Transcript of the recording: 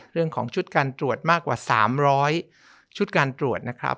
เรื่องของชุดการตรวจมากกว่า๓๐๐ชุดการตรวจนะครับ